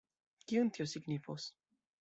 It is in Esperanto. Kion tio signifos?